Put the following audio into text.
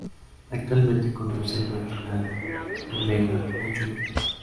Actualmente conduce el matinal de Mega "Mucho gusto".